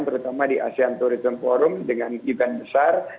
terutama di asean tourism forum dengan event besar